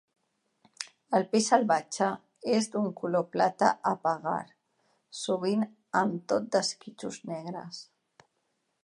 El peix salvatge és d'un color plata apagar, sovint amb tot d'esquitxos negres.